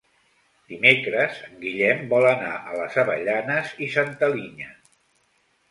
Dimecres en Guillem vol anar a les Avellanes i Santa Linya.